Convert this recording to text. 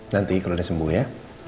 nanti kalau sudah sembuh ya